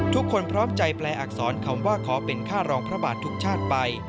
พร้อมใจแปลอักษรคำว่าขอเป็นค่ารองพระบาททุกชาติไป